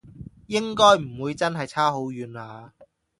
應該唔會真係差好遠啊？